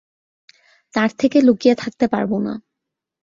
তার থেকে লুকিয়ে থাকতে পারব না।